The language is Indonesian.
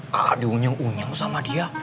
kakak diunyeng unyeng sama dia